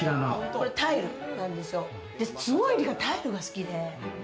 これタイルなんですよ、すごい梨香タイルが好きで。